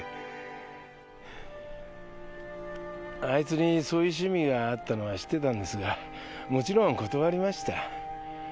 あいつにそういう趣味があったのは知ってたんですがもちろん断りました。